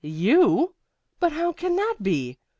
"YOU? But how can that be?